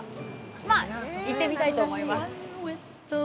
ま、行ってみたいと思います。